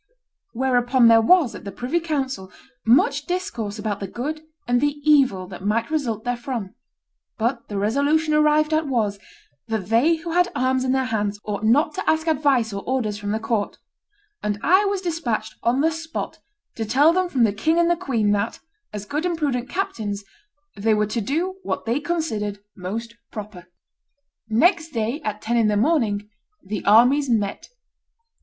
Whereupon there was, at the privy council, much discourse about the good and the evil that might result therefrom; but the resolution arrived at was, that they who had arms in their hands ought not to ask advice or orders from the court; and I was despatched on the spot to tell them from the king and the queen, that, as good and prudent captains, they were to do what they considered most proper." Next day, at ten in the morning, the armies met.